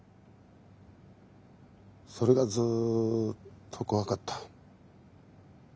それがずっと怖かった。